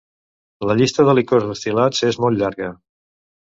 La llista de licors destil·lats és molt llarga.